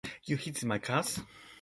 You hit my car.